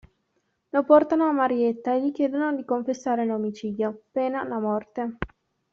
Lo portano a Marietta e gli chiedono di confessare l'omicidio, pena la morte.